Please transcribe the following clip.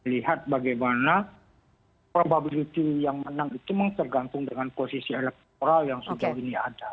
lihat bagaimana probability yang menang itu memang tergantung dengan posisi elektoral yang sejauh ini ada